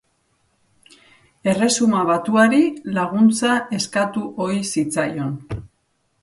Erresuma Batuari laguntza eskatu ohi zitzaion.